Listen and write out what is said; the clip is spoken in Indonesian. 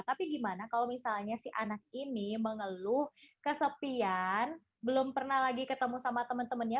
tapi gimana kalau misalnya si anak ini mengeluh kesepian belum pernah lagi ketemu sama teman temannya